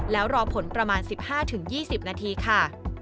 แล้วรอผลประมาณ๑๕๒๐นาทีค่ะ